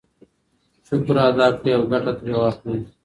شکر ادا کړئ او ګټه ترې واخلئ.